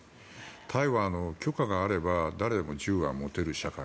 タイは許可があれば誰でも銃を持てる社会